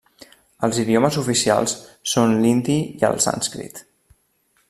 Els idiomes oficials són l'hindi i el sànscrit.